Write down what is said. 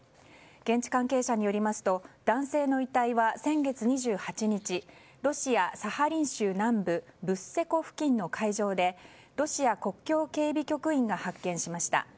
現地関係者によりますと男性の遺体は先月２８日ロシア・サハリン州南部ブッセ湖付近の海上でロシア国境警備局員が発見しました。